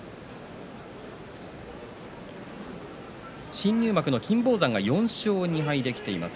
新入幕の金峰山が４勝２敗できています。